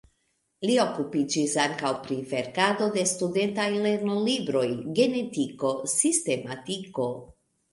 Li okupiĝis ankaŭ pri verkado de studentaj lernolibroj, genetiko, sistematiko.